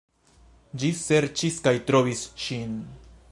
Ĝi serĉis kaj trovis ŝin.